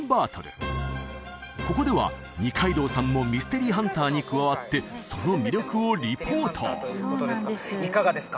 ここでは二階堂さんもミステリーハンターに加わってその魅力をリポートいかがですか？